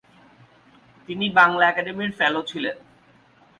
তিনি বাংলা একাডেমির ফেলো ছিলেন।